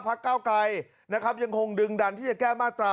ภักด์เก้าไกรยิ่งดึงดันที่จะแก้มาตรา๑๑๒